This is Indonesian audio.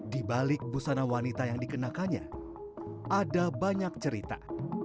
di balik busana wanita yang dikenakannya ada banyak cerita